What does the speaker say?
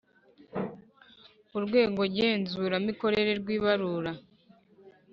Urwego Ngenzuramikorere rw ibarura